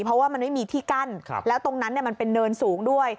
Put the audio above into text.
เพราะว่ามันไม่มีที่กั้นแล้วตรงนั้นมันเป็นเนินสูงด้วย